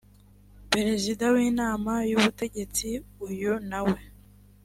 perezida w inama y ubutegetsi uyu nawe